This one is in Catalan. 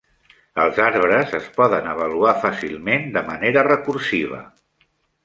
Els arbres es poden avaluar fàcilment de manera recursiva.